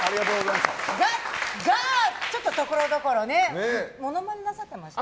ちょっと、ところどころものまねなさっていました？